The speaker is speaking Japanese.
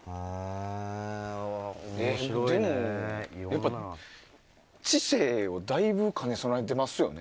でも、やっぱり知性をだいぶ兼ね備えていますよね。